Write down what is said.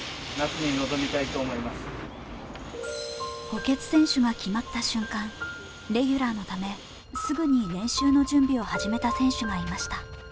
補欠選手が決まった瞬間、レギュラーのため、すぐに練習の準備を始めた選手がいました。